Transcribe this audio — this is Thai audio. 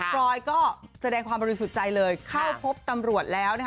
ฟรอยก็แสดงความบริสุจัยเลยเข้าพบตำรวจแล้ว